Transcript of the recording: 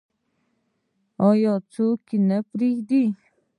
آیا او څوک نه پریږدي؟